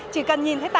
chỉ cần nhìn thấy tà áo